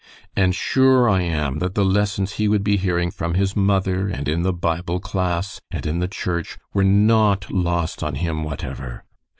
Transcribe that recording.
And sure am I that the lessons he would be hearing from his mother and in the Bible class and in the church were not lost on him whatever.